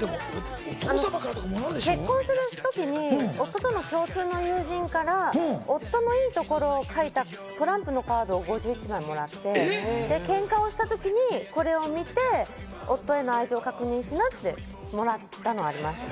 結婚するときに夫との共通の友人から、夫のいいところを書いたトランプカード５１枚をもらって、ケンカした時にこれを見て夫への愛情を確認しなってもらったのがあります。